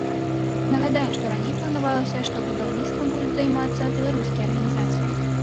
Нагадаем, раней планавалася, што будаўніцтвам будуць займацца беларускія арганізацыі.